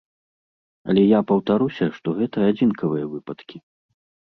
Але я паўтаруся, што гэта адзінкавыя выпадкі.